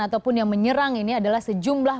ataupun yang menyerang ini adalah sejumlah